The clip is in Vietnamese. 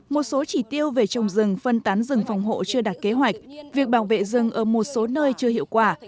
một số chỉ tiêu về trồng rừng phân tán rừng phòng hộ chưa đạt kế hoạch việc bảo vệ rừng ở một số nơi chưa hiệu quả